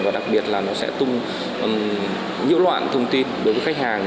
và đặc biệt là nó sẽ tung nhiễu loạn thông tin đối với khách hàng